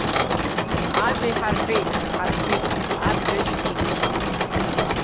Ажәа иҳарҳәеит, дҳарқәит абџьар шьҭимхырц.